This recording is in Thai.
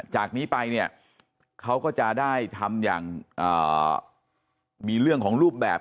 จากนี้ไปเนี่ยเขาก็จะได้ทำอย่างมีเรื่องของรูปแบบ